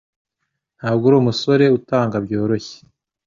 Ntabwo arumusore utanga byoroshye.